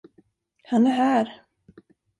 Han är här.